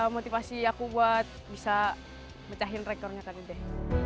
motivasi aku buat bisa pecahin rekornya tadi dedek